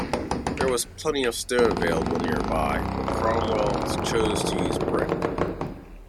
There was plenty of stone available nearby, but Cromwell chose to use brick.